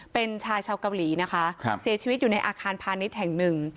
เป็นชายชาวเกาหลีนะคะเสียชีวิตอยู่ในอาคารพาณิชย์แห่งหนึ่ง